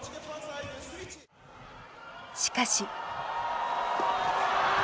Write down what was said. しかし。